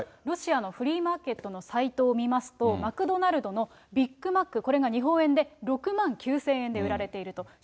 ロシアのフリーマーケットのサイトを見ますと、マクドナルドのビッグマック、これが日本円で６万９０００円で売られていると。